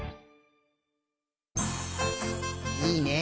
いいね！